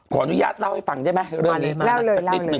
ขออนุญาตเล่าให้ฟังได้ไหมเรื่องนี้มาสักนิดนึ